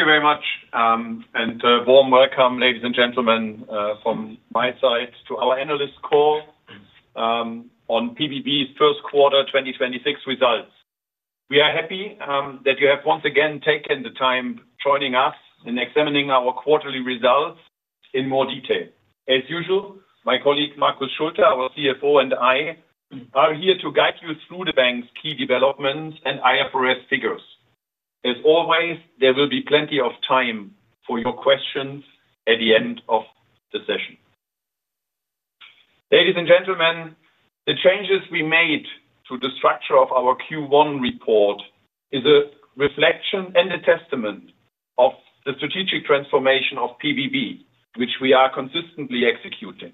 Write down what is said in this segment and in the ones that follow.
Thank you very much, and a warm welcome, ladies and gentlemen, from my side to our analyst call on pbb's Q1 2026 results. We are happy that you have once again taken the time joining us in examining our quarterly results in more detail. As usual, my colleague, Marcus Schulte, our CFO, and I are here to guide you through the bank's key developments and IFRS figures. As always, there will be plenty of time for your questions at the end of the session. Ladies and gentlemen, the changes we made to the structure of our Q1 report is a reflection and a testament of the strategic transformation of pbb, which we are consistently executing.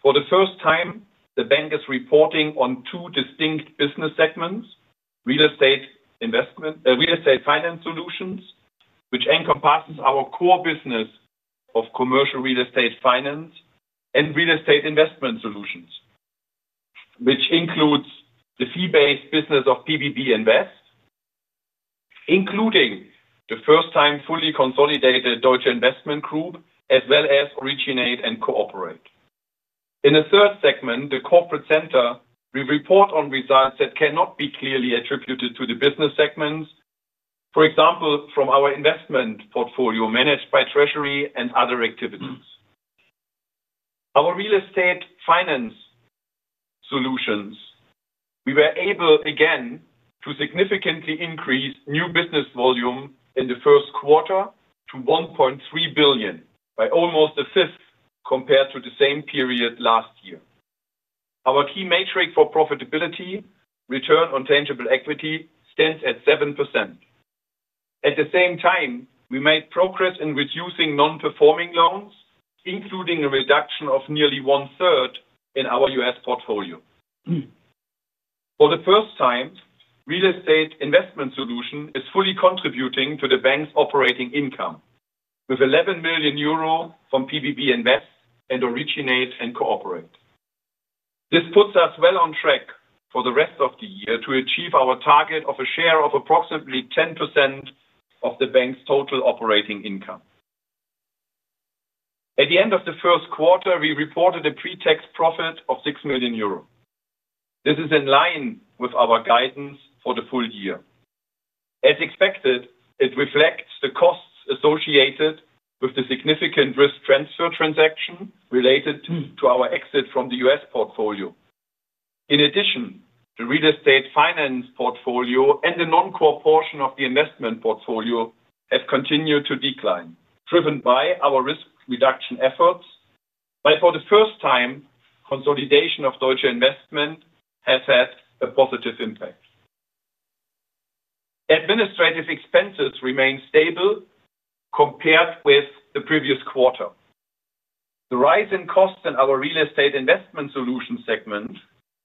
For the first time, the bank is reporting on two distinct business segments: Real Estate Finance Solutions, which encompasses our core business of commercial Real Estate Finance and Real Estate Investment Solutions, which includes the fee-based business of pbb Invest, including the first time fully consolidated Deutsche Investment Group, as well as Originate & Cooperate. In the third segment, the Corporate Center, we report on results that cannot be clearly attributed to the business segments. For example, from our investment portfolio managed by Treasury and other activities. Our Real Estate Finance Solutions, we were able again to significantly increase new business volume in the Q1 to 1.3 billion by almost a fifth compared to the same period last year. Our key metric for profitability, Return on Tangible Equity, stands at 7%. At the same time, we made progress in reducing non-performing loans, including a reduction of nearly one-third in our U.S. portfolio. For the first time, Real Estate Investment Solutions is fully contributing to the bank's operating income with 11 million euro from pbb Invest and Originate & Cooperate. This puts us well on track for the rest of the year to achieve our target of a share of approximately 10% of the bank's total operating income. At the end of the Q1, we reported a pre-tax profit of 6 million euro. This is in line with our guidance for the full-year. As expected, it reflects the costs associated with the significant risk transfer transaction related to our exit from the U.S. portfolio. In addition, the Real Estate Finance portfolio and the non-core portion of the investment portfolio have continued to decline, driven by our risk reduction efforts. For the first time, consolidation of Deutsche Investment has had a positive impact. Administrative expenses remain stable compared with the previous quarter. The rise in costs in our Real Estate Investment Solutions segment,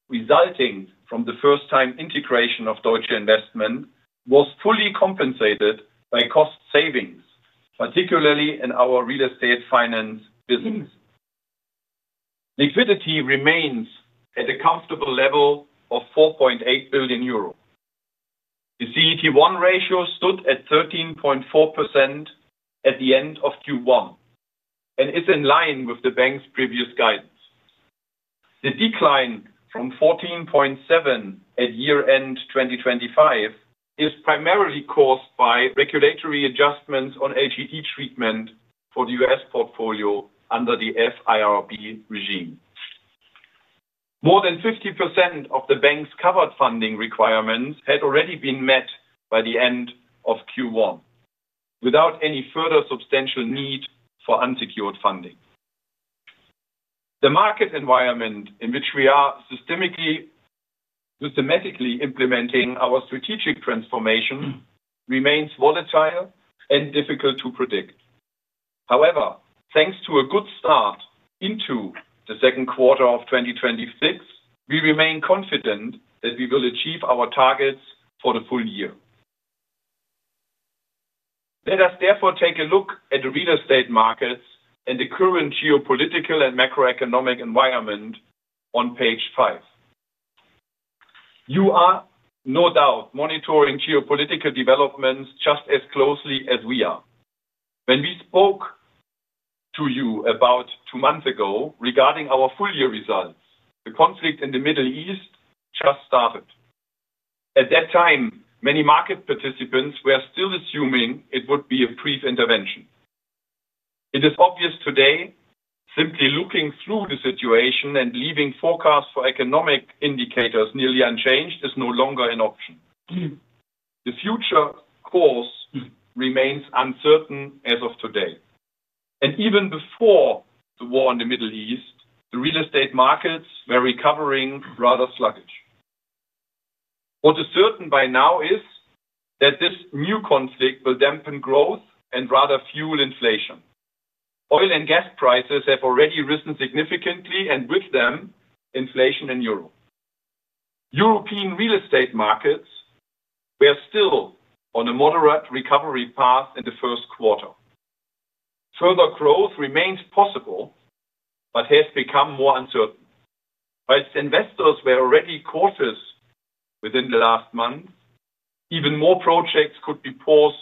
resulting from the first-time integration of Deutsche Investment, was fully compensated by cost savings, particularly in our Real Estate Finance business. Liquidity remains at a comfortable level of 4.8 billion euro. The CET1 ratio stood at 13.4% at the end of Q1 and is in line with the bank's previous guidance. The decline from 14.7% at year-end 2025 is primarily caused by regulatory adjustments on LGD treatment for the U.S. portfolio under the FIRB regime. More than 50% of the bank's covered funding requirements had already been met by the end of Q1 without any further substantial need for unsecured funding. The market environment in which we are systematically implementing our strategic transformation remains volatile and difficult to predict. Thanks to a good start into the Q2 of 2026, we remain confident that we will achieve our targets for the full-year. Let us therefore take a look at the real estate markets and the current geopolitical and macroeconomic environment on page five. You are no doubt monitoring geopolitical developments just as closely as we are. When we spoke to you about two months ago regarding our full-year results, the conflict in the Middle East just started. At that time, many market participants were still assuming it would be a brief intervention. It is obvious today, simply looking through the situation and leaving forecasts for economic indicators nearly unchanged is no longer an option. The future course remains uncertain as of today. Even before the war in the Middle East, the real estate markets were recovering rather sluggish. What is certain by now is that this new conflict will dampen growth and rather fuel inflation. Oil and gas prices have already risen significantly, and with them, inflation in Europe. European real estate markets were still on a moderate recovery path in the Q1. further growth remains possible, but has become more uncertain. As investors were already cautious within the last month, even more projects could be paused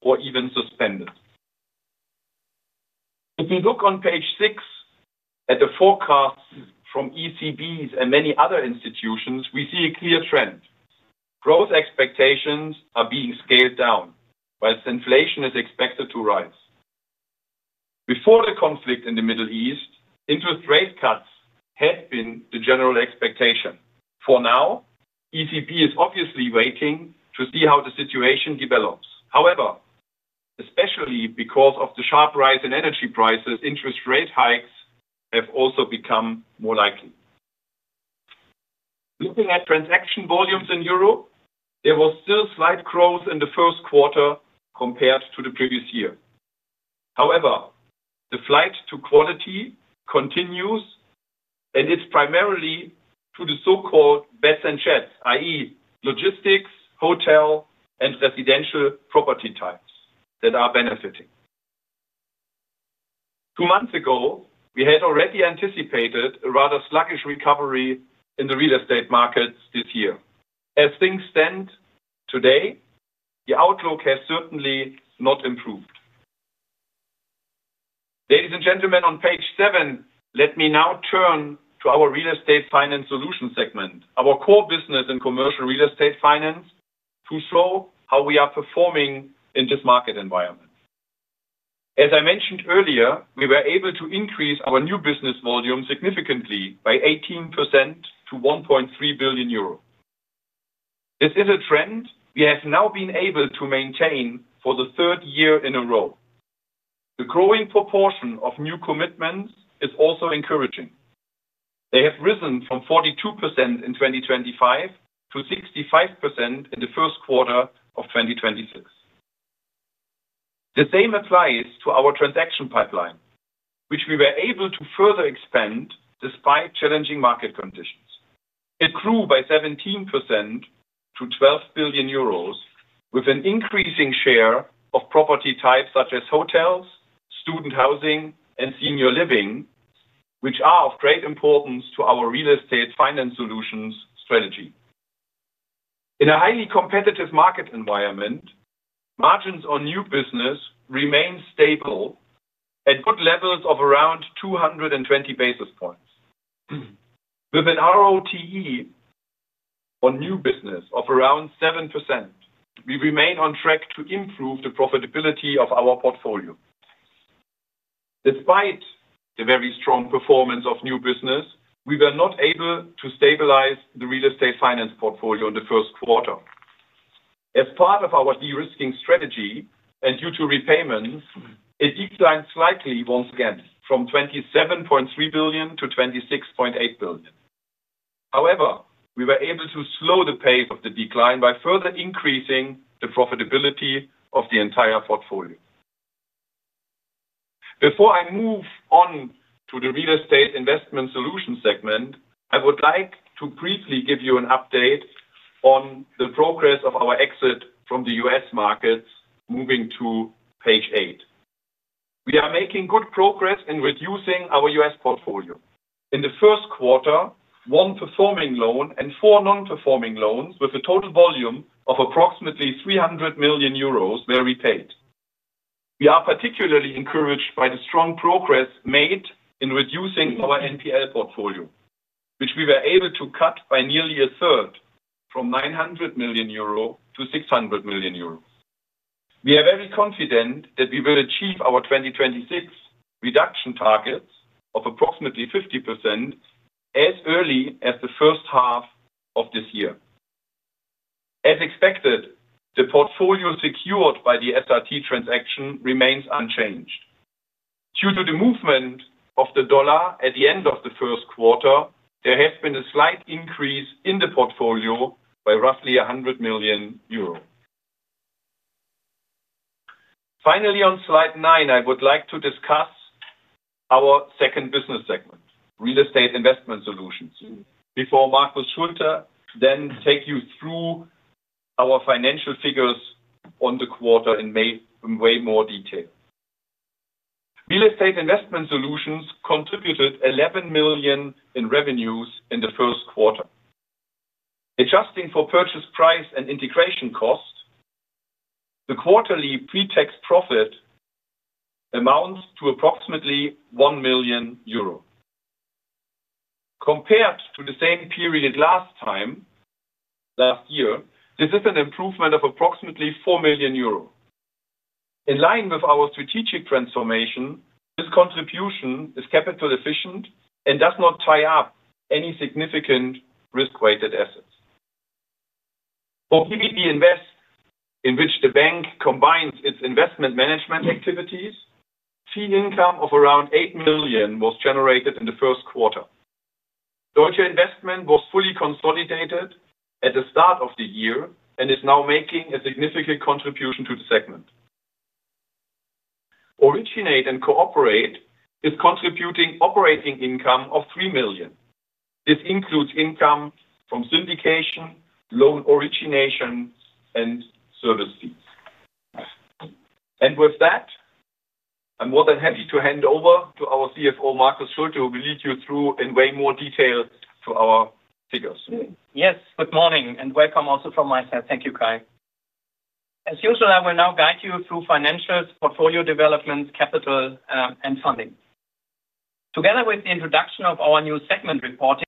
or even suspended. If you look on page six at the forecasts from ECB and many other institutions, we see a clear trend. Growth expectations are being scaled down whilst inflation is expected to rise. Before the conflict in the Middle East, interest rate cuts had been the general expectation. For now, ECB is obviously waiting to see how the situation develops. However, especially because of the sharp rise in energy prices, interest rate hikes have also become more likely. Looking at transaction volumes in Europe, there was still slight growth in the Q1 compared to the previous year. The flight to quality continues, and it's primarily to the so-called beds and sheds, i.e. logistics, hotel, and residential property types that are benefiting. Two months ago, we had already anticipated a rather sluggish recovery in the real estate markets this year. As things stand today, the outlook has certainly not improved. Ladies and gentlemen, on page seven, let me now turn to our Real Estate Finance Solutions segment, our core business and Commercial Real Estate Finance, to show how we are performing in this market environment. As I mentioned earlier, we were able to increase our new business volume significantly by 18% to 1.3 billion euro. This is a trend we have now been able to maintain for the third year in a row. The growing proportion of new commitments is also encouraging. They have risen from 42% in 2025 to 65% in the Q1 of 2026. The same applies to our transaction pipeline, which we were able to further expand despite challenging market conditions. It grew by 17% to 12 billion euros with an increasing share of property types such as hotels, student housing, and senior living, which are of great importance to our Real Estate Finance Solutions strategy. In a highly competitive market environment, margins on new business remain stable at good levels of around 220 basis points. With an ROTE on new business of around 7%, we remain on track to improve the profitability of our portfolio. Despite the very strong performance of new business, we were not able to stabilize the Real Estate Finance portfolio in the Q1. As part of our de-risking strategy and due to repayments, it declined slightly once again from 27.3 billion to 26.8 billion. However, we were able to slow the pace of the decline by further increasing the profitability of the entire portfolio. Before I move on to the Real Estate Investment Solutions segment, I would like to briefly give you an update on the progress of our exit from the U.S. markets, moving to page eight. We are making good progress in reducing our U.S. portfolio. In the Q1, one performing loan and four non-performing loans with a total volume of approximately 300 million euros were repaid. We are particularly encouraged by the strong progress made in reducing our NPL portfolio, which we were able to cut by nearly a third from 900 million euro to 600 million euro. We are very confident that we will achieve our 2026 reduction targets of approximately 50% as early as the H1 of this year. As expected, the portfolio secured by the SRT transaction remains unchanged. Due to the movement of the dollar at the end of the Q1, there has been a slight increase in the portfolio by roughly 100 million euros. Finally, on slide nine, I would like to discuss our second business segment, Real Estate Investment Solutions, before Marcus Schulte then take you through our financial figures on the quarter in way more detail. Real Estate Investment Solutions contributed 11 million in revenues in the Q1. Adjusting for purchase price and integration cost, the quarterly pre-tax profit amounts to approximately 1 million euro. Compared to the same period last time, last year, this is an improvement of approximately 4 million euro. In line with our strategic transformation, this contribution is capital efficient and does not tie up any significant risk-weighted assets. For pbb Invest, in which the bank combines its investment management activities, fee income of around 8 million was generated in the Q1. Deutsche Investment was fully consolidated at the start of the year and is now making a significant contribution to the segment. Originate & Cooperate is contributing operating income of 3 million. This includes income from syndication, loan originations, and service fees. With that, I'm more than happy to hand over to our CFO, Marcus Schulte, who will lead you through in way more detail through our figures. Yes. Good morning, and welcome also from myself. Thank you, Kay. As usual, I will now guide you through financials, portfolio development, capital, and funding. Together with the introduction of our new segment reporting-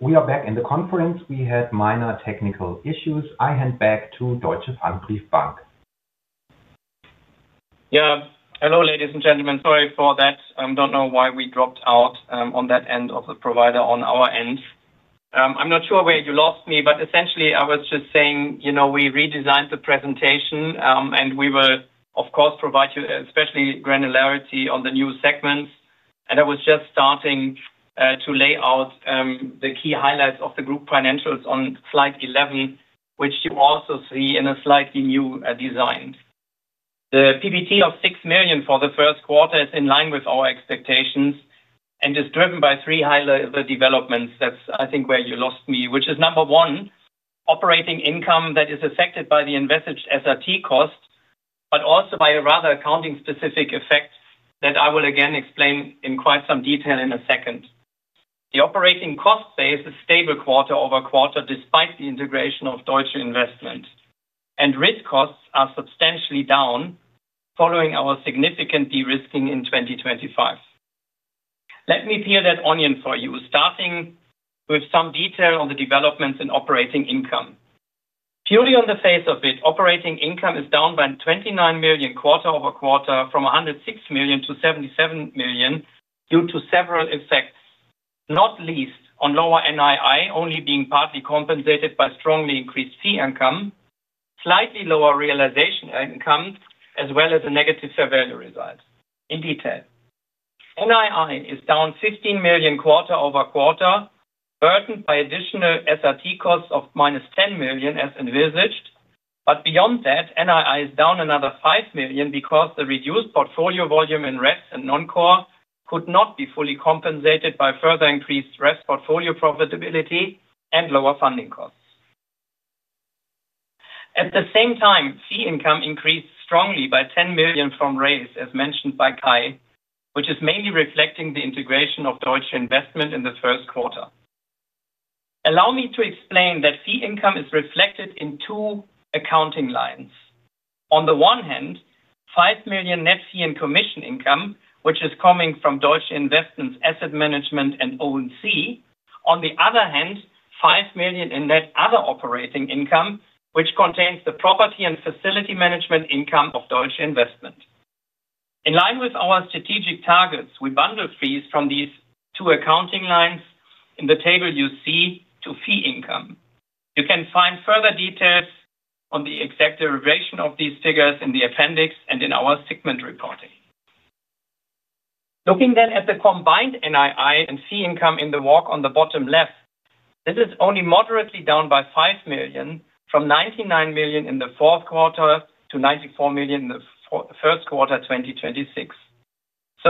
We are back in the conference. We had minor technical issues. I hand back to Deutsche Pfandbriefbank. Hello, ladies and gentlemen. Sorry for that. Don't know why we dropped out on that end of the provider on our end. I'm not sure where you lost me, but essentially I was just saying, you know, we redesigned the presentation, and we will, of course, provide you especially granularity on the new segments. I was just starting to lay out the key highlights of the group financials on slide 11, which you also see in a slightly new design. The PBT of 6 million for the Q1 is in line with our expectations and is driven by three high-level developments. That's, I think, where you lost me. Which is number one, operating income that is affected by the envisaged SRT costs, but also by a rather accounting-specific effect that I will again explain in quite some detail in a second. The operating cost base is stable quarter-over-quarter, despite the integration of Deutsche Investment. Risk costs are substantially down following our significant de-risking in 2025. Let me peel that onion for you, starting with some detail on the developments in operating income. Purely on the face of it, operating income is down by 29 million quarter-over-quarter from 106 million to 77 million due to several effects, not least on lower NII only being partly compensated by strongly increased fee income, slightly lower realization income, as well as a negative CVA result. In detail: NII is down 15 million quarter-over-quarter, burdened by additional SRT costs of -10 million as envisaged. Beyond that, NII is down another 5 million because the reduced portfolio volume in REF and non-core could not be fully compensated by further increased risk portfolio profitability and lower funding costs. At the same time, fee income increased strongly by 10 million from REIS, as mentioned by Kay, which is mainly reflecting the integration of Deutsche Investment in the Q1. Allow me to explain that fee income is reflected in two accounting lines. On the one hand, 5 million net fee and commission income, which is coming from Deutsche Investment Asset Management and O&C. On the other hand, 5 million in net other operating income which contains the property and facility management income of Deutsche Investment. In line with our strategic targets, we bundle fees from these two accounting lines in the table you see to fee income. You can find further details on the exact derivation of these figures in the appendix and in our segment report. Looking at the combined NII and fee income in the walk on the bottom left, this is only moderately down by 5 million from 99 million in the Q4 to 94 million in the Q1 2026.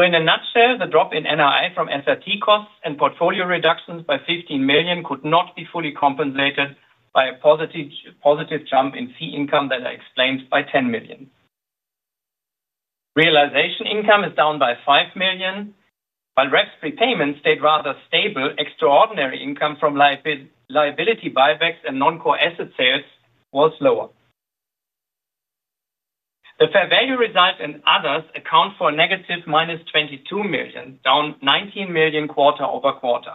In a nutshell, the drop in NII from SRT costs and portfolio reductions by 15 million could not be fully compensated by a positive jump in fee income that I explained by 10 million. Realization income is down by 5 million, while REFS repayments stayed rather stable. Extraordinary income from liability buybacks and non-core asset sales was lower. The fair value result in others account for a negative -22 million, down 19 million quarter-over-quarter.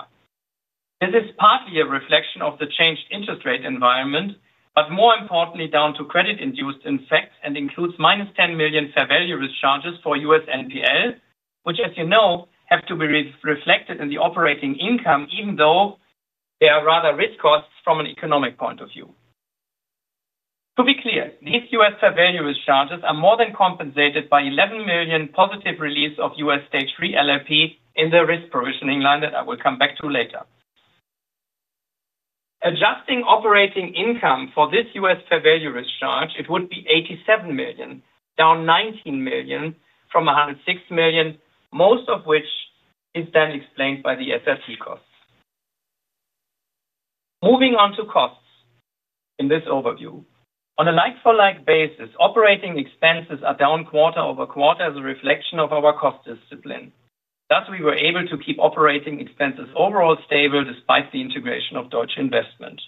This is partly a reflection of the changed interest rate environment, but more importantly, down to credit-induced effects and includes -10 million fair value risk charges for U.S. NPL, which, as you know, have to be re-reflected in the operating income, even though they are rather risk costs from an economic point of view. To be clear, these U.S. fair value risk charges are more than compensated by 11 million positive release of U.S. Stage 3 LLP in the risk provisioning line that I will come back to later. Adjusting operating income for this U.S. fair value risk charge, it would be 87 million, down 19 million from 106 million, most of which is then explained by the SRT costs. Moving on to costs in this overview. On a like-for-like basis, operating expenses are down quarter-over-quarter as a reflection of our cost discipline. We were able to keep operating expenses overall stable despite the integration of Deutsche Investment.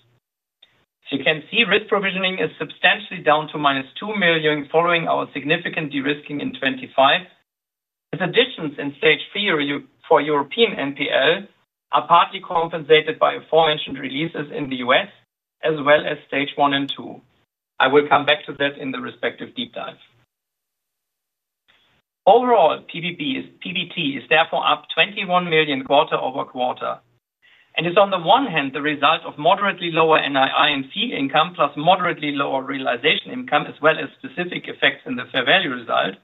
As you can see, risk provisioning is substantially down to -2 million following our significant de-risking in 2025. With additions in Stage 3 for European NPL are partly compensated by aforementioned releases in the U.S. as well as Stage 1 and 2. I will come back to that in the respective deep dive. PBT is therefore up 21 million quarter-over-quarter and is on the one hand the result of moderately lower NII and fee income, plus moderately lower realization income, as well as specific effects in the fair value result.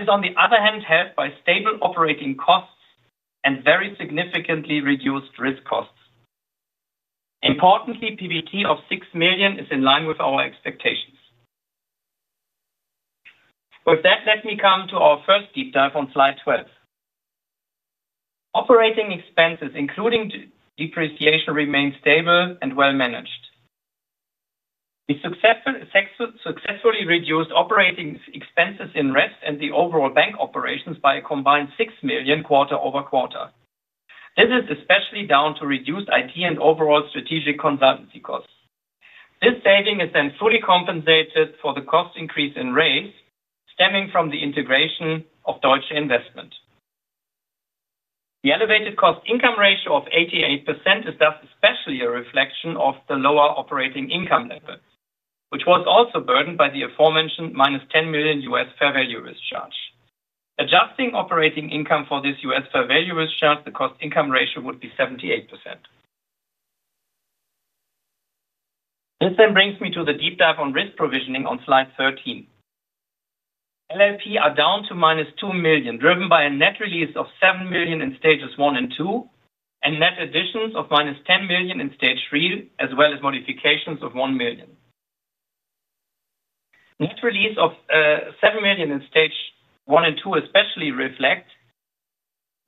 Is on the other hand, helped by stable operating costs and very significantly reduced risk costs. Importantly, PBT of 6 million is in line with our expectations. With that, let me come to our first deep dive on slide 12. Operating expenses, including depreciation, remain stable and well managed. We successfully reduced operating expenses in REFS and the overall bank operations by a combined 6 million quarter-over-quarter. This is especially down to reduced IT and overall strategic consultancy costs. This saving is fully compensated for the cost increase in rates stemming from the integration of Deutsche Investment. The elevated cost income ratio of 88% is thus especially a reflection of the lower operating income level, which was also burdened by the aforementioned EUR-10 million U.S. fair value risk charge. Adjusting operating income for this U.S. fair value risk charge, the cost income ratio would be 78%. This brings me to the deep dive on risk provisioning on slide 13. LLP are down to -2 million, driven by a net release of 7 million in Stage 1 and 2, and net additions of -10 million in Stage 3, as well as modifications of 1 million. Net release of 7 million in Stage 1 and 2 especially reflect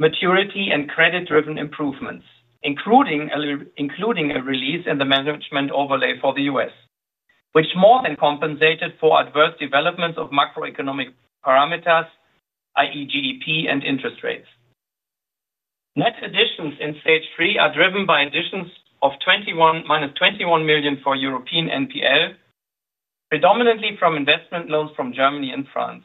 maturity and credit-driven improvements, including a release in the management overlay for the U.S., which more than compensated for adverse developments of macroeconomic parameters, i.e., GDP and interest rates. Net additions in Stage 3 are driven by additions of -21 million for European NPL, predominantly from investment loans from Germany and France,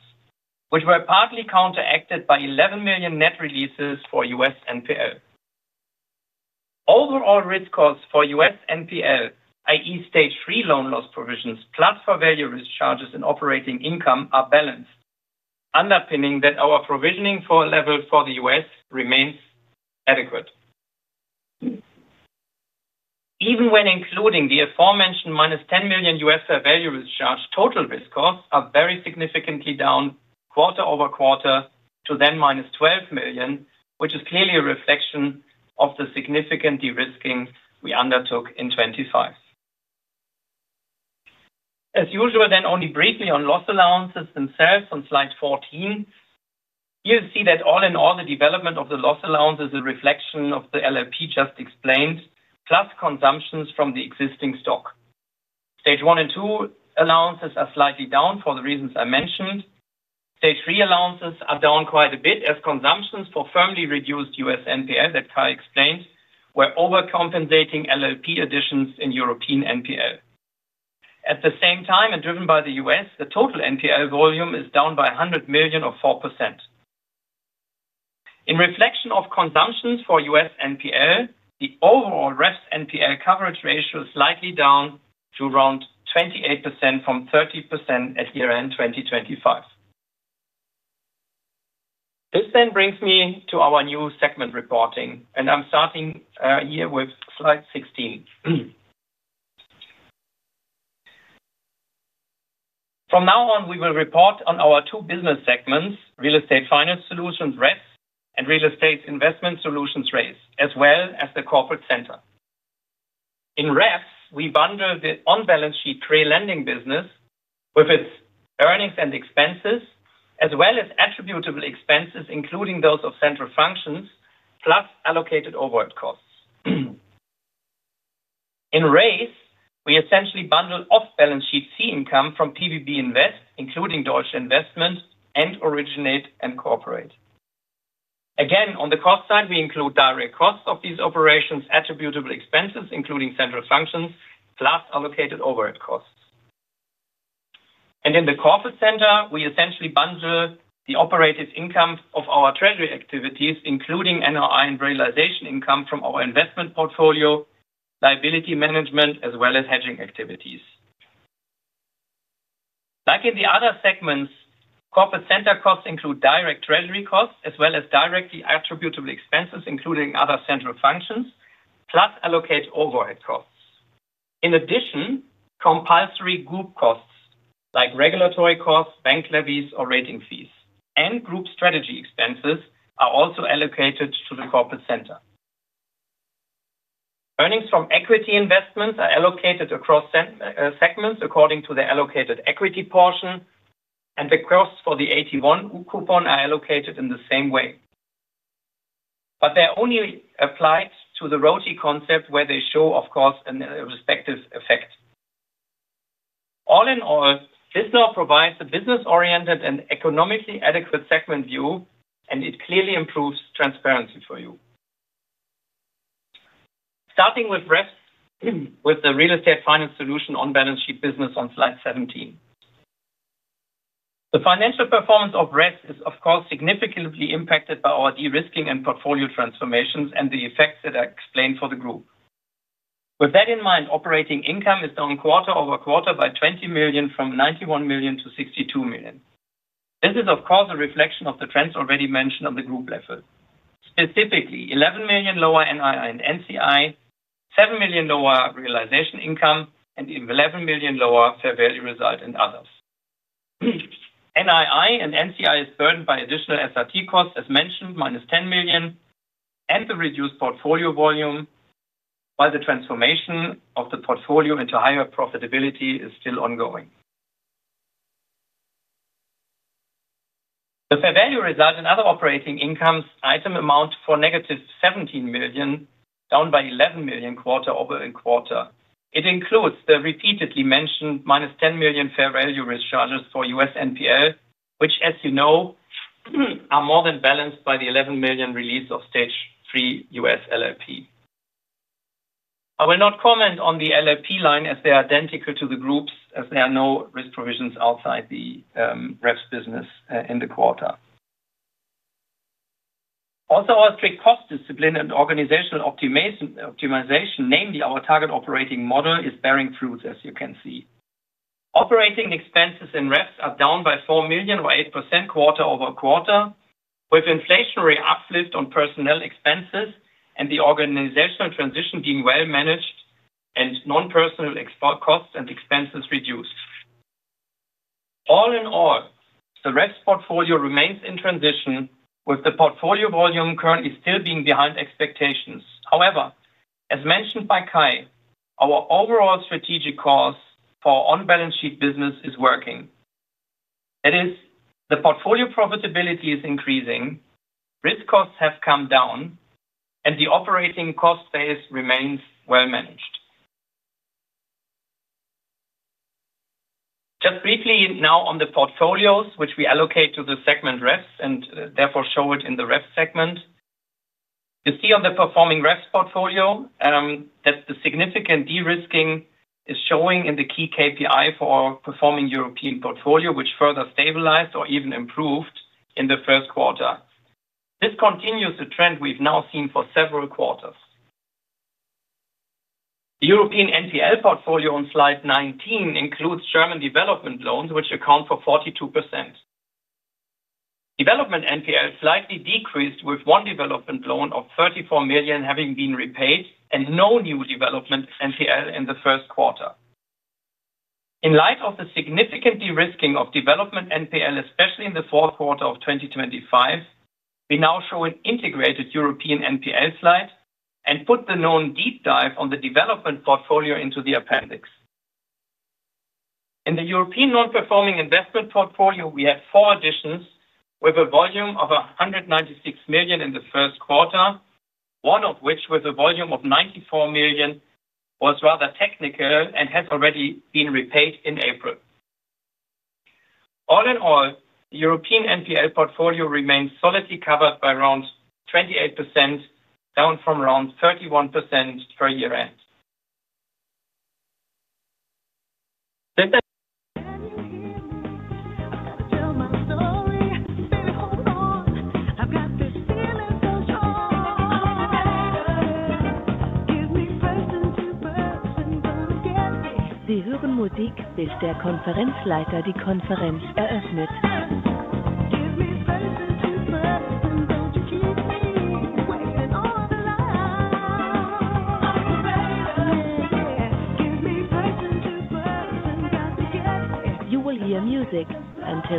which were partly counteracted by 11 million net releases for U.S. NPL. Overall risk costs for U.S. NPL, i.e., Stage 3 loan loss provisions, plus fair value risk charges and operating income are balanced, underpinning that our provisioning for level for the U.S. remains adequate. Even when including the aforementioned -10 million U.S. fair value risk charge, total risk costs are very significantly down quarter-over-quarter to -12 million, which is clearly a reflection of the significant de-risking we undertook in 2025. As usual, only briefly on loss allowances themselves on slide 14, you'll see that all in all, the development of the loss allowance is a reflection of the LLP just explained, plus consumptions from the existing stock. Stage 1 and 2 allowances are slightly down for the reasons I mentioned. Stage 3 allowances are down quite a bit as consumptions for firmly reduced U.S. NPL that Kay explained were overcompensating LLP additions in European NPL. At the same time, and driven by the U.S., the total NPL volume is down by 100 million or 4%. In reflection of consumptions for U.S. NPL, the overall REFS NPL coverage ratio is slightly down to around 28% from 30% at year-end 2025. This brings me to our new segment reporting, and I'm starting here with slide 16. From now on, we will report on our two business segments: Real Estate Finance Solutions, REFS, and Real Estate Investment Solutions, REIS, as well as the Corporate Center. In REFS, we bundle the on-balance sheet pre-lending business with its earnings and expenses as well as attributable expenses, including those of central functions, plus allocated overhead costs. In REIS, we essentially bundle off-balance sheet fee income from pbb Invest, including Deutsche Investment and Originate & Cooperate. Again, on the cost side, we include direct costs of these operations, attributable expenses, including central functions, plus allocated overhead costs. In the Corporate Center, we essentially bundle the operated income of our treasury activities, including NII and realization income from our investment portfolio, liability management, as well as hedging activities. Like in the other segments, Corporate Center costs include direct treasury costs as well as directly attributable expenses, including other central functions, plus allocated overhead costs. In addition, compulsory group costs like regulatory costs, bank levies or rating fees and group strategy expenses are also allocated to the Corporate Center. Earnings from equity investments are allocated across segments according to the allocated equity portion and the costs for the AT1 coupon are allocated in the same way. They're only applied to the ROTE concept where they show, of course, a respective effect. All in all, this now provides a business-oriented and economically adequate segment view. It clearly improves transparency for you. Starting with REFS, with the Real Estate Finance Solution on-balance sheet business on slide 17. The financial performance of REFS is, of course, significantly impacted by our de-risking and portfolio transformations and the effects that I explained for the group. With that in mind, operating income is down quarter-over-quarter by 20 million from 91 million to 62 million. This is, of course, a reflection of the trends already mentioned on the group level. Specifically, 11 million lower NII and NCI, 7 million lower realization income and 11 million lower fair value result and others. NII and NCI is burdened by additional SRT costs, as mentioned, -10 million and the reduced portfolio volume while the transformation of the portfolio into higher profitability is still ongoing. The fair value result and other operating incomes item amount for -17 million, down by 11 million quarter-over-quarter. It includes the repeatedly mentioned -10 million fair value risk charges for U.S. NPL which as you know, are more than balanced by the 11 million release of Stage 3 U.S. LLP. I will not comment on the LLP line as they are identical to the groups as there are no risk provisions outside the REFS business in the quarter. Also, our strict cost discipline and organizational optimization, namely our target operating model, is bearing fruits, as you can see. Operating expenses in REFS are down by 4 million or 8% quarter-over-quarter with inflationary uplift on personnel expenses and the organizational transition being well managed and non-personnel costs and expenses reduced. All in all, the REFS portfolio remains in transition with the portfolio volume currently still being behind expectations. As mentioned by Kay, our overall strategic course for on-balance sheet business is working. That is, the portfolio profitability is increasing, risk costs have come down and the operating cost base remains well managed. Just briefly now on the portfolios which we allocate to the segment REFS and therefore show it in the REFS segment. You see on the performing REFS portfolio that the significant de-risking is showing in the key KPI for performing European portfolio which further stabilized or even improved in the Q1. This continues the trend we've now seen for several quarters. The European NPL portfolio on slide 19 includes German development loans which account for 42%. Development NPL slightly decreased with one development loan of 34 million having been repaid and no new development NPL in the Q1. In light of the significant de-risking of development NPL, especially in the Q4 of 2025, we now show an integrated European NPL slide and put the known deep dive on the development portfolio into the appendix. In the European non-performing investment portfolio, we have four additions with a volume of 196 million in the Q1, one of which with a volume of 94 million was rather technical and has already been repaid in April. All in all, the European NPL portfolio remains solidly covered by around 28%, down from around 31% per year end. Yes,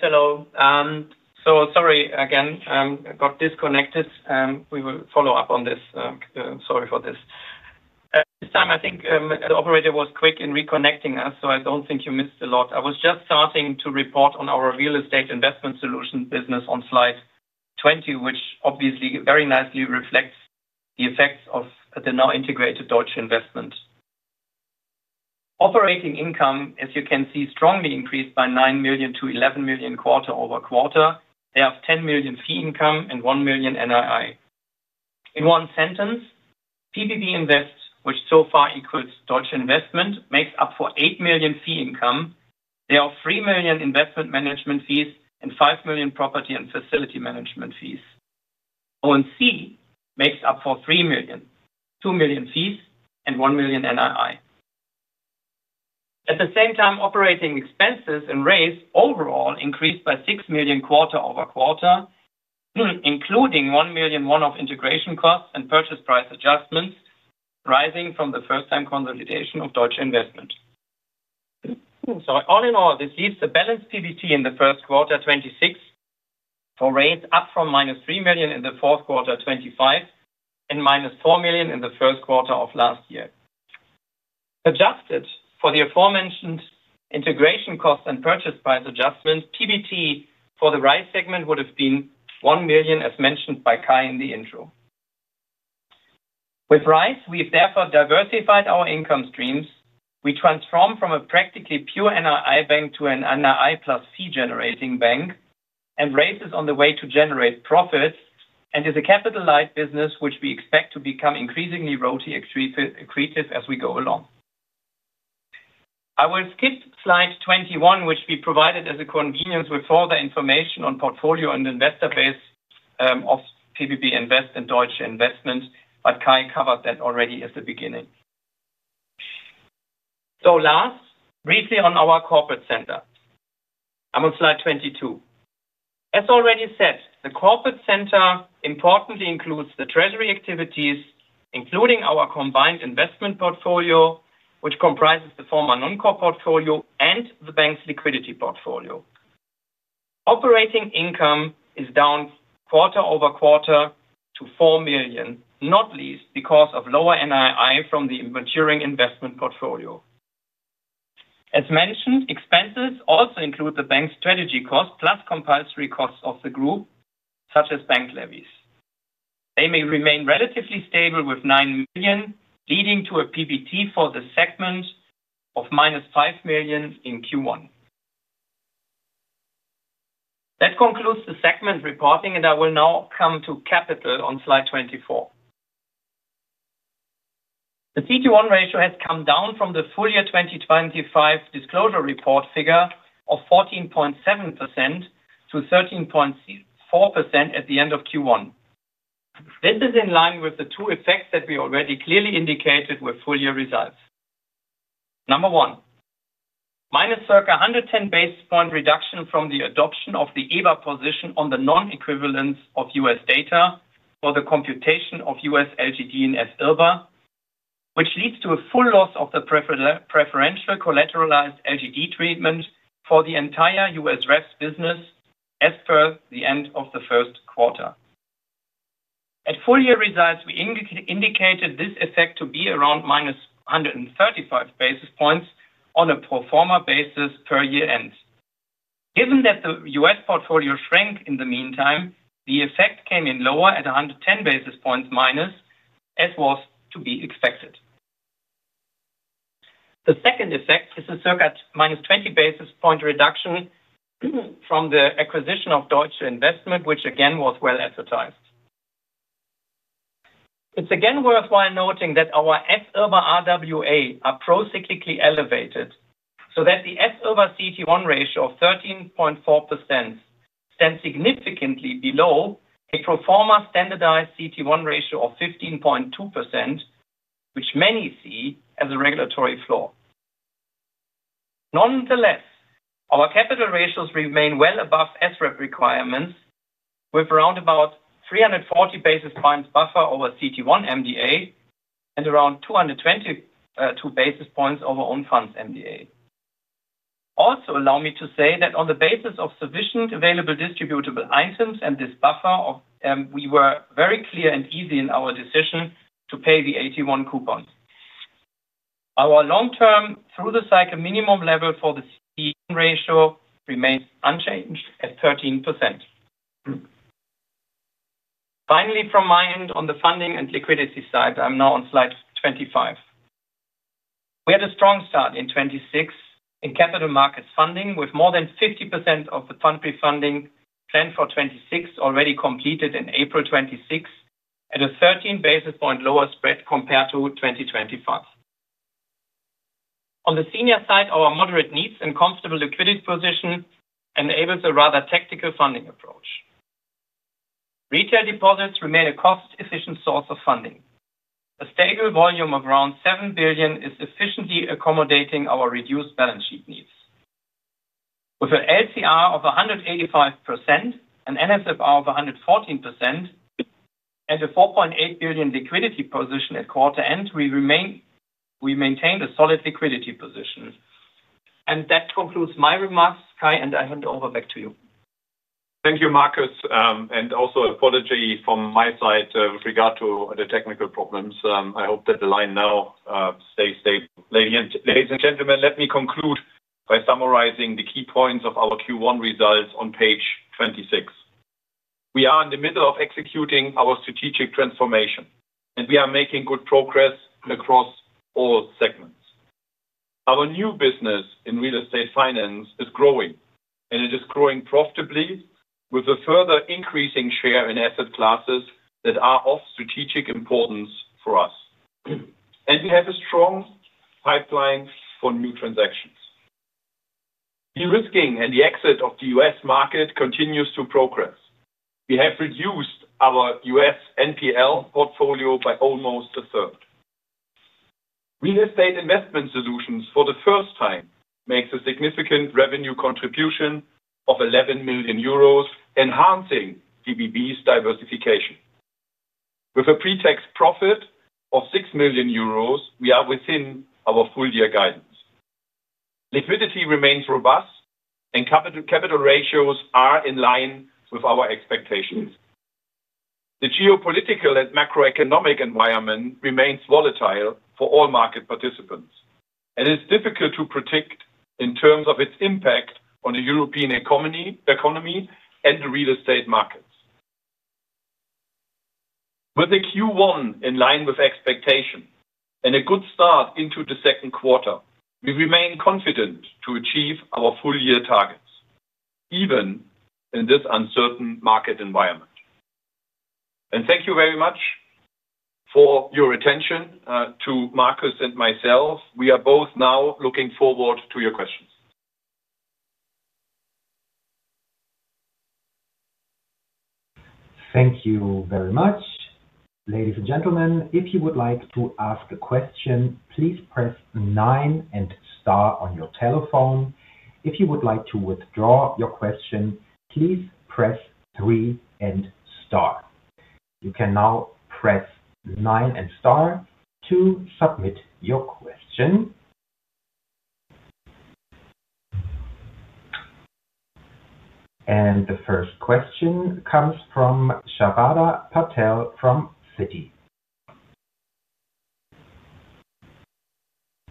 hello. Sorry again. Got disconnected. We will follow-up on this. Sorry for this. At this time, I think the operator was quick in reconnecting us, so I don't think you missed a lot. I was just starting to report on our Real Estate Investment Solutions business on slide 20, which obviously very nicely reflects the effects of the now integrated Deutsche Investment. Operating income, as you can see, strongly increased by 9 million to 11 million quarter-over-quarter. They have 10 million fee income and 1 million NII. In one sentence, pbb Invest, which so far includes Deutsche Investment, makes up for 8 million fee income. There are 3 million investment management fees and 5 million property and facility management fees. O&C makes up for 3 million. 2 million fees and 1 million NII. At the same time, operating expenses and rates overall increased by 6 million quarter-over-quarter, including 1 million one-off integration costs and purchase price adjustments rising from the first time consolidation of Deutsche Investment. All in all, this leaves the balance PBT in the Q1 26 million for rates up from -3 million in the Q4 2025 and -4 million in the Q1 of last year. Adjusted for the aforementioned integration costs and purchase price adjustments, PBT for the REIS segment would have been 1 million, as mentioned by Kay in the intro. With REIS, we've therefore diversified our income streams. We transform from a practically pure NII bank to an NII plus fee-generating bank, and REIS on the way to generate profits and is a capital-light business which we expect to become increasingly ROTE accretive as we go along. I will skip slide 21, which we provided as a convenience with all the information on portfolio and investor base of pbb Invest and Deutsche Investment, but Kay covered that already at the beginning. Last, briefly on our Corporate Center. I'm on slide 22. As already said, the Corporate Center importantly includes the treasury activities, including our combined investment portfolio, which comprises the former non-core portfolio and the bank's liquidity portfolio. Operating income is down quarter-over-quarter to 4 million, not least because of lower NII from the maturing investment portfolio. As mentioned, expenses also include the bank strategy cost plus compulsory costs of the group, such as bank levies. They may remain relatively stable with 9 million, leading to a PBT for the segment of -5 million in Q1. That concludes the segment reporting, and I will now come to capital on slide 24. The CET1 ratio has come down from the full-year 2025 disclosure report figure of 14.7% to 13.4% at the end of Q1. This is in line with the two effects that we already clearly indicated with full-year results. Number one, minus circa 110 basis point reduction from the adoption of the EBA position on the non-equivalence of U.S. data for the computation of U.S. LGD and FIRBA, which leads to a full loss of the preferential collateralized LGD treatment for the entire U.S. REFS business as per the end of the Q1. At full-year results, we indicated this effect to be around -135 basis points on a pro forma basis per year-end. Given that the U.S. portfolio shrank in the meantime, the effect came in lower at 110 basis points minus, as was to be expected. The second effect is a circa -20 basis point reduction from the acquisition of Deutsche Investment, which again was well advertised. It's again worthwhile noting that our FIRBA RWA are procyclically elevated so that the FIRBA CET1 ratio of 13.4% stands significantly below a pro forma standardized CET1 ratio of 15.2%, which many see as a regulatory flaw. Nonetheless, our capital ratios remain well above SREP requirements with around about 340 basis points buffer over CET1 MDA and around 222 basis points over own funds MDA. Also allow me to say, on the basis of sufficient available distributable items and this buffer of, we were very clear and easy in our decision to pay the AT1 coupon. Our long-term through the cycle minimum level for the C ratio remains unchanged at 13%. From my end on the funding and liquidity side, I'm now on slide 25. We had a strong start in 2026 in capital markets funding, with more than 50% of the Pfandbrief funding planned for 2026 already completed in April 2026 at a 13 basis point lower spread compared to 2020 funds. On the senior side, our moderate needs and comfortable liquidity position enables a rather tactical funding approach. Retail deposits remain a cost-efficient source of funding. A stable volume of around 7 billion is efficiently accommodating our reduced balance sheet needs. With an LCR of 185%, an NSFR of 114%, and a 4.8 billion liquidity position at quarter-end, we maintain a solid liquidity position. That concludes my remarks. Kay, I hand over back to you. Thank you, Marcus. And also apology from my side with regard to the technical problems. I hope that the line now stays stable. Ladies and gentlemen, let me conclude by summarizing the key points of our Q1 results on page 26. We are in the middle of executing our strategic transformation, and we are making good progress across all segments. Our new business in Real Estate Finance is growing, and it is growing profitably with a further increasing share in asset classes that are of strategic importance for us. We have a strong pipeline for new transactions. Derisking and the exit of the U.S. market continues to progress. We have reduced our U.S. NPL portfolio by almost a third. Real Estate Investment Solutions for the first time makes a significant revenue contribution of 11 million euros, enhancing pbb's diversification. With a pre-tax profit of 6 million euros, we are within our full-year guidance. Liquidity remains robust and capital ratios are in line with our expectations. The geopolitical and macroeconomic environment remains volatile for all market participants, and it's difficult to predict in terms of its impact on the European economy and the real estate markets. With the Q1 in line with expectation and a good start into the Q2, we remain confident to achieve our full-year targets even in this uncertain market environment. Thank you very much for your attention to Marcus and myself. We are both now looking forward to your questions. Thank you very much. Ladies and gentlemen, if you would like to ask a question, please press nine and star on your telephone. If you would like to withdraw your question, please press three and star. You can now press nine and star to submit your question. The first question comes from [Sharada] Patel from Citi.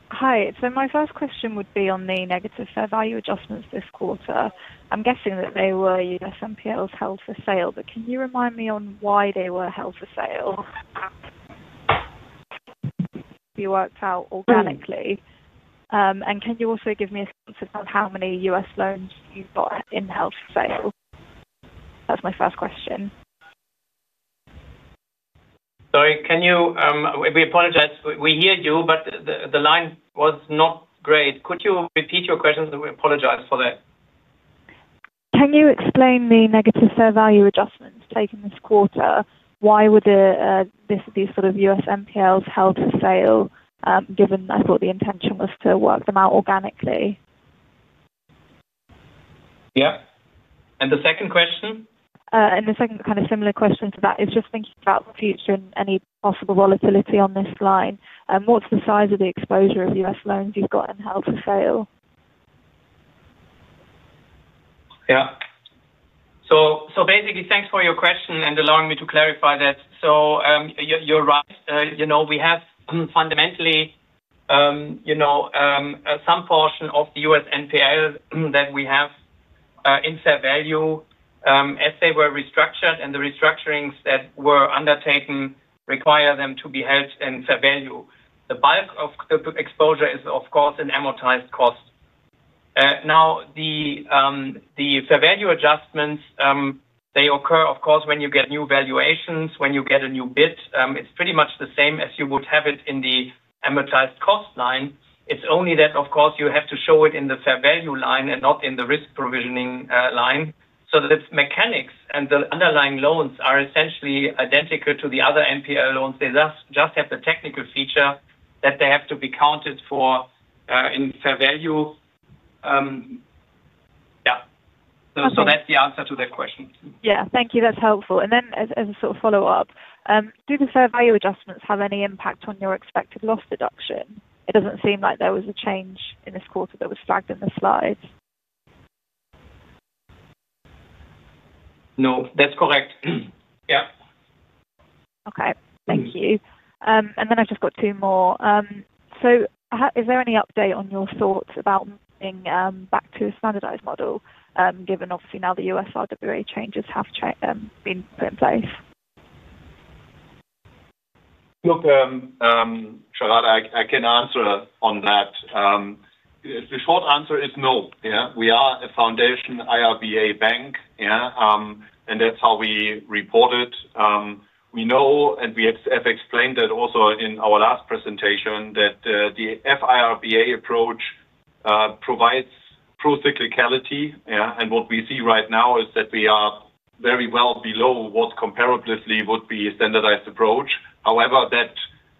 Hi. My first question would be on the negative fair value adjustments this quarter. I'm guessing that they were U.S. NPLs held for sale, but can you remind me on why they were held for sale? Can you also give me a sense of how many U.S. loans you've got in held for sale? That's my first question. Sorry, can you? We apologize. We hear you, but the line was not great. Could you repeat your questions? We apologize for that. Can you explain the negative fair value adjustments taken this quarter? Why would this be sort of U.S. NPLs held for sale, given I thought the intention was to work them out organically? Yeah. The second question? The second kind of similar question to that is just thinking about the future and any possible volatility on this line. What's the size of the exposure of U.S. loans you've got in held for sale? Yeah. Basically, thanks for your question and allowing me to clarify that. You're right. You know, we have fundamentally, you know, some portion of the U.S. NPL that we have in fair value, as they were restructured and the restructurings that were undertaken require them to be held in fair value. The bulk of the exposure is, of course, an amortized cost. Now the fair value adjustments, they occur, of course, when you get new valuations, when you get a new bid. It's pretty much the same as you would have it in the amortized cost line. It's only that, of course, you have to show it in the fair value line and not in the risk provisioning line. That its mechanics and the underlying loans are essentially identical to the other NPL loans. They just have the technical feature that they have to be counted for, in fair value. Yeah. Okay. That's the answer to that question. Yeah. Thank you. That's helpful. Then as a sort of follow-up, do the fair value adjustments have any impact on your expected loss deduction? It doesn't seem like there was a change in this quarter that was flagged in the slides. No, that's correct. Yeah. Okay. Thank you. I've just got two more. Is there any update on your thoughts about moving back to a standardized model, given obviously now the U.S. RWA changes have been put in place? Look, [Sharada], I can answer on that. The short answer is no. We are a foundation IRBA bank. That's how we report it. We know, we have explained it also in our last presentation, that the FIRBA approach provides pro-cyclicality. What we see right now is that we are very well below what comparatively would be a standardized approach. That,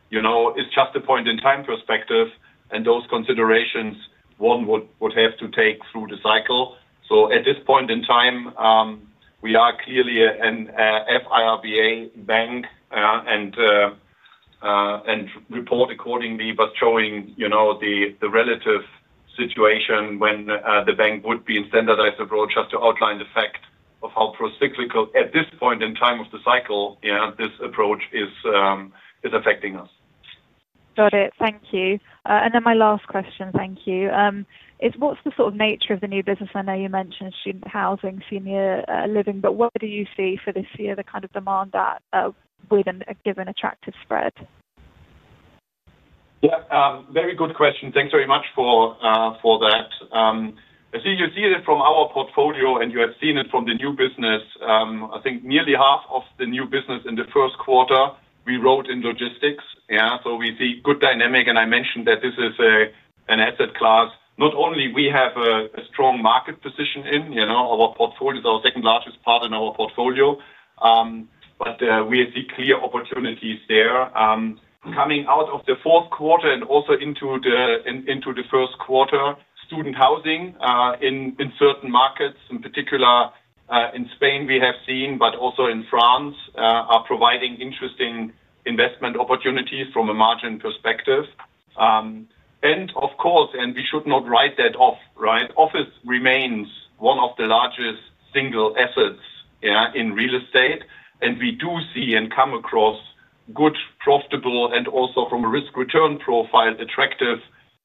you know, is just a point in time perspective, those considerations one would have to take through the cycle. At this point in time, we are clearly an FIRBA bank, and report accordingly, but showing, you know, the relative situation when the bank would be in standardized approach just to outline the fact of how procyclical at this point in time of the cycle, you know, this approach is affecting us. Got it. Thank you. Then my last question, thank you, is what's the sort of nature of the new business? I know you mentioned student housing, senior living, but what do you see for this year, the kind of demand that, within a given attractive spread? Yeah. Very good question. Thanks very much for that. I think you see it from our portfolio and you have seen it from the new business. I think nearly half of the new business in the Q1 we wrote in logistics. We see good dynamic, and I mentioned that this is an asset class. Not only we have a strong market position in, you know, our portfolio is our second-largest part in our portfolio, but we see clear opportunities there. Coming out of the Q4 and also into the Q1, student housing in certain markets, in particular in Spain we have seen, but also in France, are providing interesting investment opportunities from a margin perspective. Of course, and we should not write that off, right? Office remains one of the largest single assets in real estate. We do see and come across good profitable and also from a risk-return profile, attractive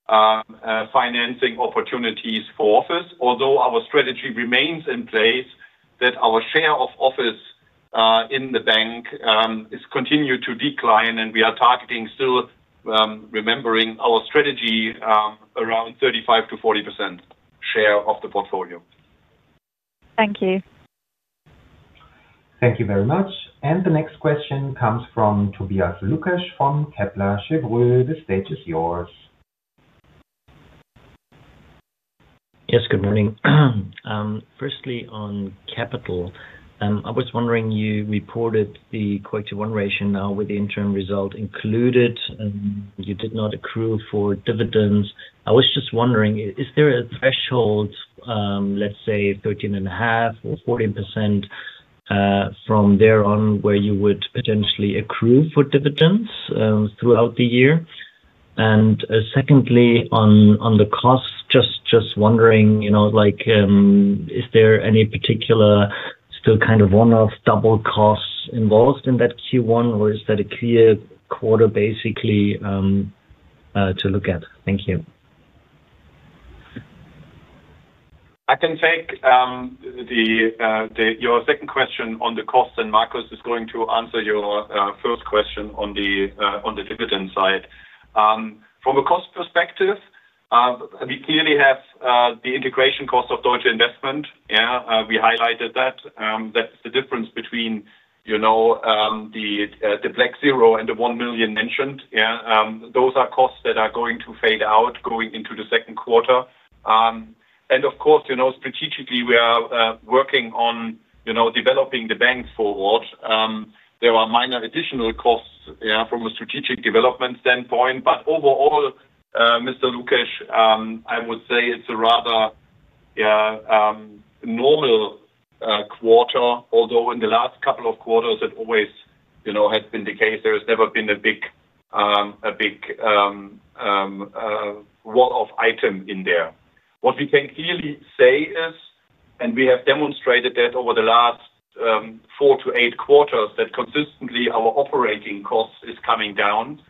financing opportunities for office. Our strategy remains in place that our share of office in the bank is continued to decline and we are targeting still, remembering our strategy, around 35%-40% share of the portfolio. Thank you. Thank you very much. The next question comes from Tobias Lukesch from Kepler Cheuvreux. The stage is yours. Yes, good morning. Firstly on capital, I was wondering, you reported the Q1 ratio now with the interim result included, and you did not accrue for dividends. I was just wondering, is there a threshold, let's say 13.5% or 14%, from there on where you would potentially accrue for dividends throughout the year? Secondly, on the costs, just wondering, you know, like, is there any particular still kind of one-off double costs involved in that Q1, or is that a clear quarter basically to look at? Thank you. I can take your second question on the costs. Marcus is going to answer your first question on the dividend side. From a cost perspective, we clearly have the integration cost of Deutsche Investment. Yeah. We highlighted that. That's the difference between, you know, the black zero and the 1 million mentioned. Yeah. Those are costs that are going to fade out going into the Q2. Of course, you know, strategically we are working on, you know, developing the bank forward. There are minor additional costs, yeah, from a strategic development standpoint. Overall, Mr. Lukesch, I would say it's a rather, yeah, normal quarter. Although in the last couple of quarters it always, you know, has been the case. There has never been a big, one-off item in there. What we can clearly say is, we have demonstrated that over the last four to eight quarters, that consistently our operating cost is coming down.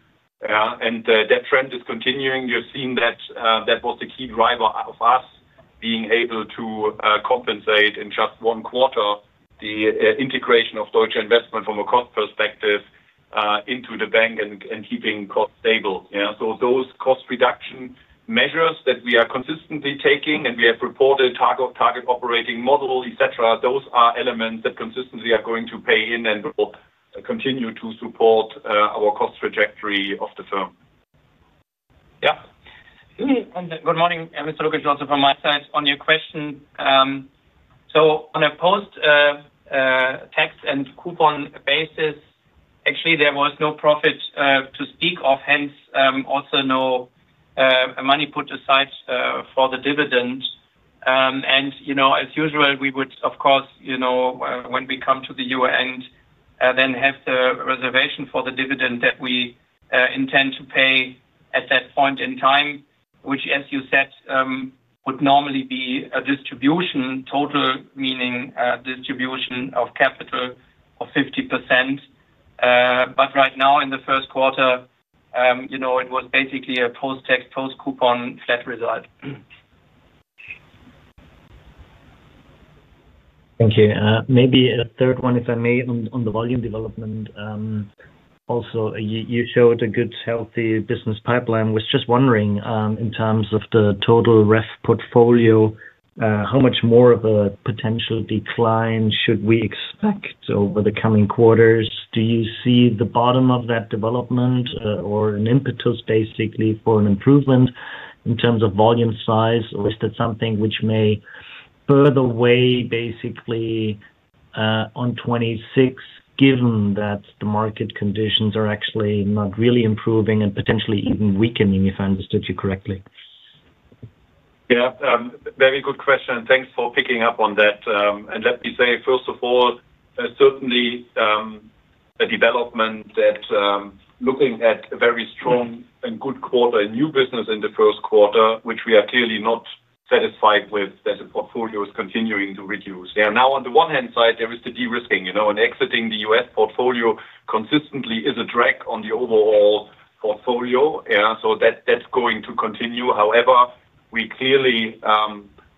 That trend is continuing. You're seeing that that was the key driver of us being able to compensate in just one quarter the integration of Deutsche Investment from a cost perspective into the bank and keeping costs stable. Yeah. Those cost reduction measures that we are consistently taking and we have reported target operating model, et cetera, those are elements that consistently are going to pay in and will continue to support our cost trajectory of the firm. Yeah. Good morning, Mr. Lukesch, also from my side on your question. On a post-tax and coupon basis, actually there was no profit to speak of, hence, also no money put aside for the dividend. You know, as usual, we would of course, you know, when we come to the year-end, then have the reservation for the dividend that we intend to pay at that point in time. Which as you said, would normally be a distribution total, meaning a distribution of capital of 50%. Right now in the Q1, you know, it was basically a post-tax, post-coupon flat result. Thank you. Maybe a third one, if I may, on the volume development. Also, you showed a good, healthy business pipeline. Was just wondering, in terms of the total risk portfolio, how much more of a potential decline should we expect over the coming quarters? Do you see the bottom of that development, or an impetus basically for an improvement in terms of volume size? Is that something which may further weigh basically, on 2026, given that the market conditions are actually not really improving and potentially even weakening, if I understood you correctly? Yeah. Very good question, and thanks for picking up on that. Let me say, first of all, certainly, a development that, looking at a very strong and good quarter, new business in the Q1, which we are clearly not satisfied with, that the portfolio is continuing to reduce. Yeah. Now, on the one hand side, there is the de-risking, you know, and exiting the U.S. portfolio consistently is a drag on the overall portfolio. Yeah. That's going to continue. However, we clearly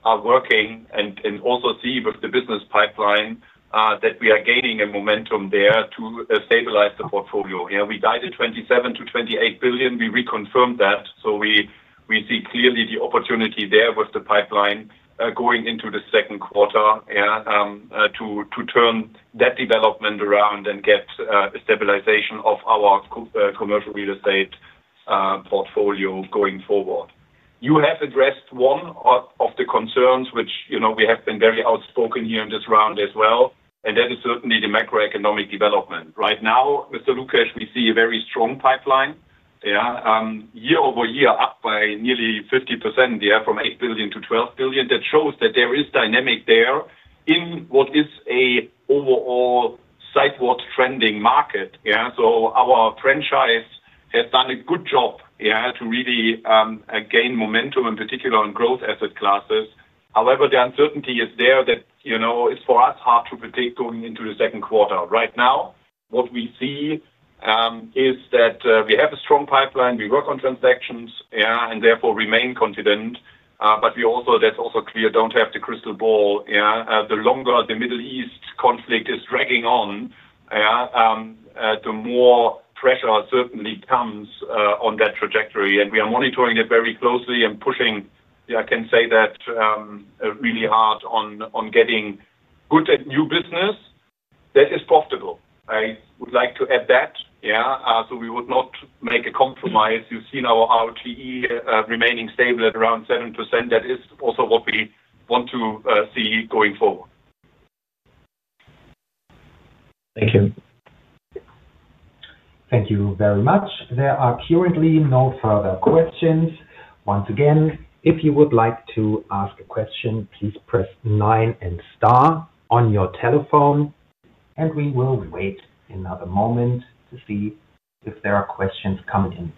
are working and also see with the business pipeline that we are gaining a momentum there to stabilize the portfolio. Yeah. We guided 27 billion-28 billion. We reconfirmed that, we see clearly the opportunity there with the pipeline going into the Q2 to turn that development around and get a stabilization of our commercial real estate portfolio going forward. You have addressed one of the concerns which, you know, we have been very outspoken here in this round as well, that is certainly the macroeconomic development. Right now, Mr. Lukesch, we see a very strong pipeline. Year-over-year, up by nearly 50%, from 8 billion to 12 billion. That shows that there is dynamic there in what is an overall sideways trending market. Our franchise has done a good job to really gain momentum, in particular on growth asset classes. However, the uncertainty is there that, you know, it's for us hard to predict going into the Q2. Right now, what we see is that we have a strong pipeline. We work on transactions, yeah, and therefore remain confident. We also, that's also clear, don't have the crystal ball. Yeah. The longer the Middle East conflict is dragging on, yeah, the more pressure certainly comes on that trajectory. We are monitoring it very closely and pushing, yeah, I can say that, really hard on getting good at new business that is profitable. I would like to add that. Yeah. We would not make a compromise. You've seen our ROTE remaining stable at around 7%. That is also what we want to see going forward. Thank you. Thank you very much. There are currently no further questions. Once again, if you would like to ask a question, please press nine and star on your telephone, and we will wait another moment to see if there are questions coming in.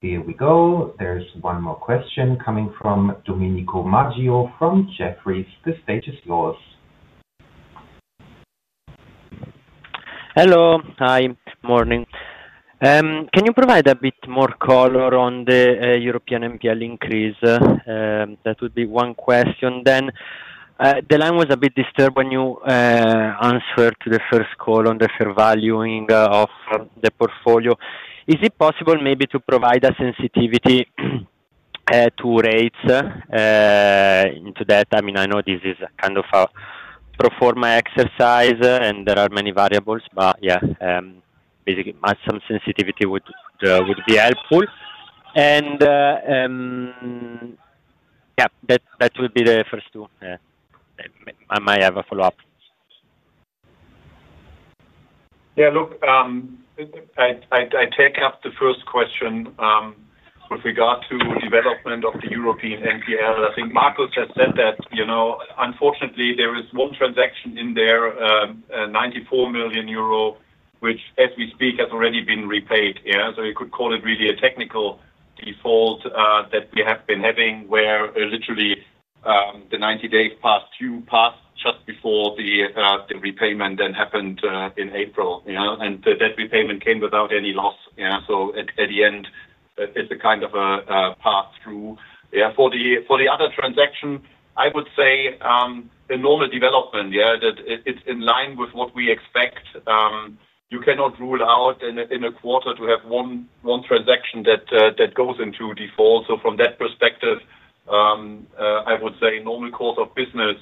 Here we go. There is one more question coming from Domenico Maggio from Jefferies. The stage is yours. Hello. Hi. Morning. Can you provide a bit more color on the European NPL increase? That would be one question. The line was a bit disturbed when you answered to the first call on the fair valuing of the portfolio. Is it possible maybe to provide a sensitivity to rates into that? I mean, I know this is kind of a pro forma exercise and there are many variables, basically some sensitivity would be helpful. That would be the first two. I might have a follow-up. Yeah. Look, I take up the first question with regard to development of the European NPL. I think Marcus has said that, you know, unfortunately there is one transaction in there, 94 million euro, which as we speak has already been repaid. Yeah. You could call it really a technical default that we have been having, where literally, the 90 days passed through, passed just before the repayment then happened in April, you know. The debt repayment came without any loss. Yeah. At the end, it's a kind of a pass-through. Yeah. For the other transaction, I would say, a normal development. Yeah. That it's in line with what we expect. You cannot rule out in a quarter to have one transaction that goes into default. From that perspective, I would say normal course of business,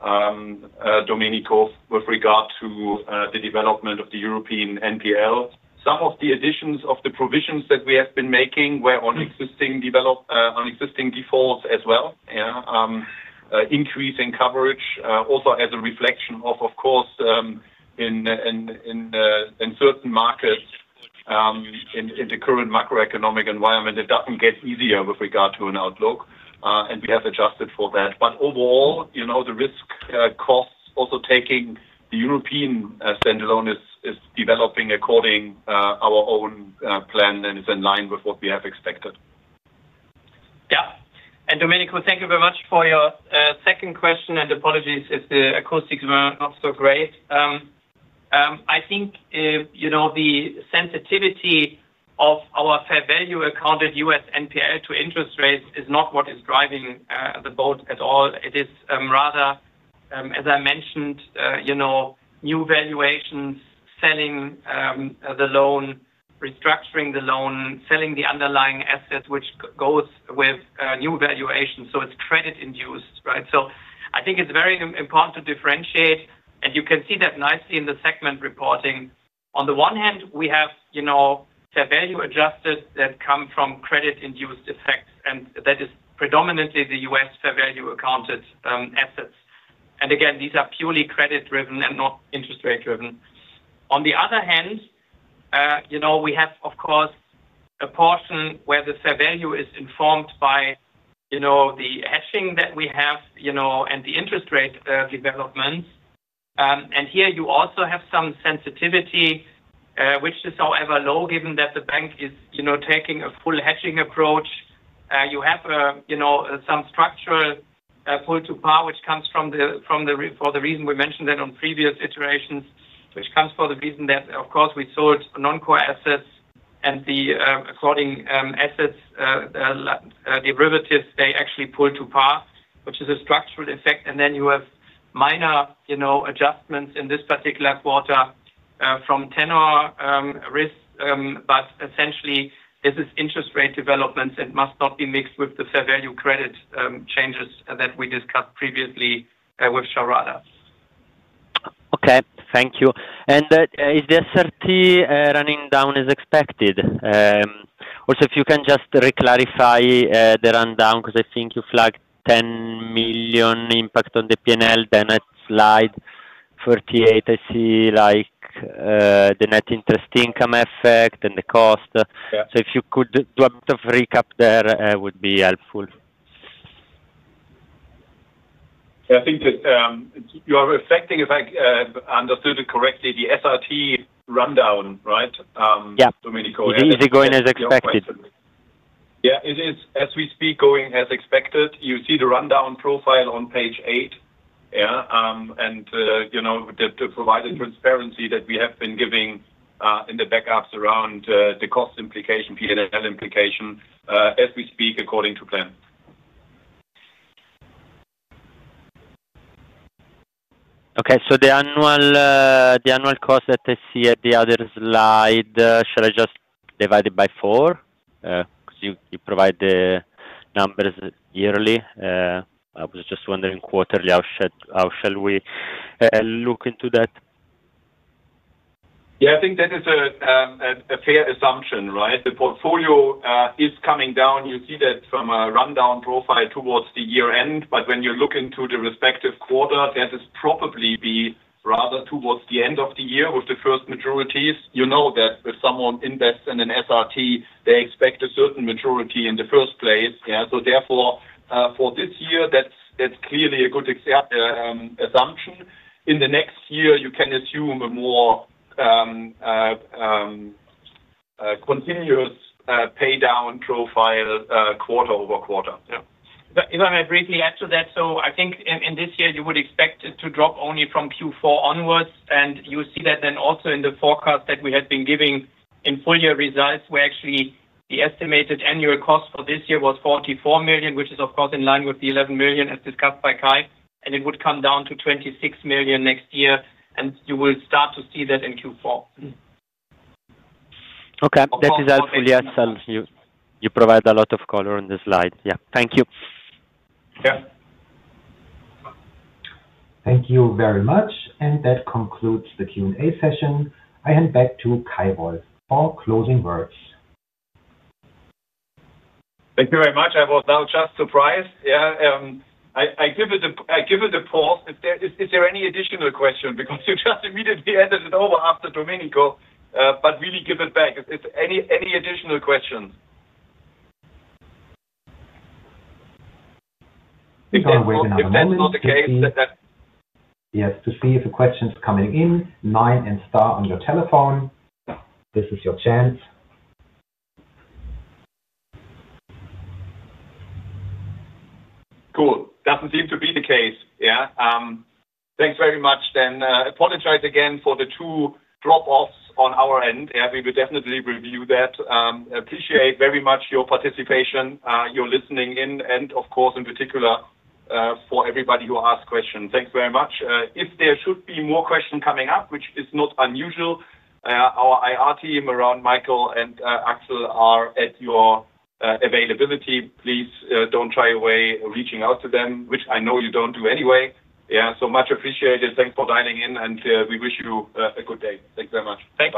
Domenico, with regard to the development of the European NPL. Some of the additions of the provisions that we have been making were on existing defaults as well. Yeah. Increasing coverage, also as a reflection of course, in certain markets, in the current macroeconomic environment, it doesn't get easier with regard to an outlook. We have adjusted for that. Overall, you know, the risk costs also taking the European standalone is developing according our own plan and is in line with what we have expected. Yeah. Domenico, thank you very much for your second question, and apologies if the acoustics were not so great. I think, you know, the sensitivity of our fair value accounted U.S. NPL to interest rates is not what is driving the boat at all. It is, rather, as I mentioned, you know, new valuations, selling the loan, restructuring the loan, selling the underlying assets, which goes with new valuations. It's credit-induced, right? I think it's very important to differentiate, and you can see that nicely in the segment reporting. On the one hand, we have, you know, fair value adjusted that come from credit-induced effects, and that is predominantly the U.S. fair value accounted assets. Again, these are purely credit-driven and not interest rate-driven. On the other hand, you know, we have, of course, a portion where the fair value is informed by, you know, the hedging that we have, you know, and the interest rate developments. Here you also have some sensitivity, which is, however, low, given that the bank is, you know, taking a full hedging approach. You have, you know, some structural pull to par, which comes from the reason we mentioned that on previous iterations. Which comes for the reason that, of course, we sold non-core assets and the according assets, derivatives, they actually pull to par, which is a structural effect. Then you have minor, you know, adjustments in this particular quarter, from tenor risk, but essentially this is interest rate developments. It must not be mixed with the fair value credit, changes that we discussed previously, with [Sharada]. Okay. Thank you. Is the SRT running down as expected? Also if you can just re-clarify the rundown because I think you flagged 10 million impact on the P&L on slide 38. I see the net interest income effect and the cost. Yeah. If you could do a bit of recap there, would be helpful. I think that, you are reflecting, if I understood it correctly, the SRT rundown, right? Yeah. Domenico, Is it going as expected? Yeah. It is as we speak, going as expected. You see the rundown profile on page eight. You know, to provide the transparency that we have been giving in the backups around the cost implication, P&L implication, as we speak according to plan. Okay. The annual, the annual cost that I see at the other slide, shall I just divide it by four? 'Cause you provide the numbers yearly. I was just wondering quarterly how should, how shall we look into that? Yeah, I think that is a fair assumption. The portfolio is coming down. You see that from a rundown profile towards the year-end. When you look into the respective quarter, that is probably be rather towards the end of the year with the first maturities. You know that if someone invests in an SRT, they expect a certain maturity in the first place. Yeah. Therefore, for this year, that's clearly a good assumption. In the next year you can assume a more continuous pay down profile, quarter-over-quarter. Yeah. If I may briefly add to that. I think in this year you would expect it to drop only from Q4 onwards. You see that also in the forecast that we had been giving in full-year results, where actually the estimated annual cost for this year was 44 million, which is of course in line with the 11 million as discussed by Kay. It would come down to 26 million next year. You will start to see that in Q4. Okay. That is helpful, yes. You provide a lot of color on the slide. Yeah. Thank you. Yeah. Thank you very much. That concludes the Q&A session. I hand back to Kay Wolf for closing words. Thank you very much. I was now just surprised. Yeah. I give it a pause. Is there any additional question? Because you just immediately handed it over after Domenico, but really give it back. If any additional questions. We are waiting at the moment to see. If that's not the case. Yes, to see if a question's coming in. Nine and star on your telephone. Yeah. This is your chance. Cool. Doesn't seem to be the case. Yeah. Thanks very much then. Apologize again for the two drop offs on our end. Yeah, we will definitely review that. Appreciate very much your participation, your listening in, and of course, in particular, for everybody who asked questions. Thanks very much. If there should be more questions coming up, which is not unusual, our IR team around Michael and Axel are at your availability. Please, don't shy away reaching out to them, which I know you don't do anyway. Yeah. Much appreciated. Thanks for dialing in, and we wish you a good day. Thanks very much. Thank you.